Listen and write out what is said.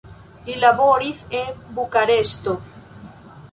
Li laboris en Bukareŝto.